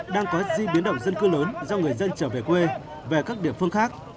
đang có di biến động dân cư lớn do người dân trở về quê và các địa phương khác